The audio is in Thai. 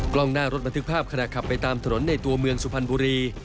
กล้องหน้ารถบันทึกภาพขณะขับไปตามถนนในตัวเมืองสุพรรณบุรี